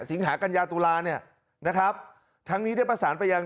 สิงหากัญญาตุลาเนี่ยนะครับทั้งนี้ได้ประสานไปยัง